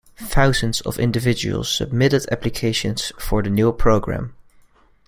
Thousands of individuals submitted applications for the new program.